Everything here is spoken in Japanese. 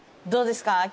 どうですか？